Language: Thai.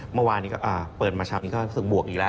เมื่อวานนี้ก็เปิดมาเช้านี้ก็รู้สึกบวกอีกแล้ว